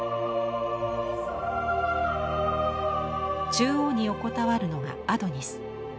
中央に横たわるのがアドニス。